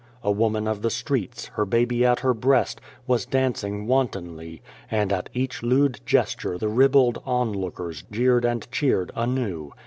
A woman of the streets, her baby at her breast, was dancing wantonly, and at each lewd gesture the ribald onlookers jeered and cheered anew.